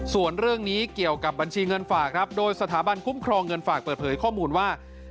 ส่วนเรื่องนี้เกี่ยวกับบัญชีเงินฝากครับโดยสถาบันคุ้มครองเงินฝากเปิดเผยข้อมูลว่า